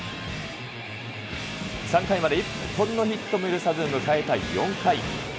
３回まで一本のヒットも許さず、迎えた４回。